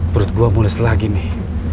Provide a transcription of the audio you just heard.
perut gue mulus lagi nih